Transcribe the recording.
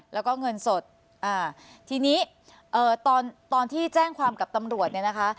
แล้วก็เงินสดอ่าทีนี้เอ่อตอนตอนที่แจ้งความกับตำรวจเนี่ยนะคะ